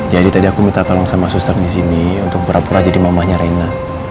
jadi tadi aku minta tolong sama suster disini untuk berapura jadi mamanya reina